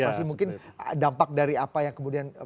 pasti mungkin dampak dari apa yang kemudian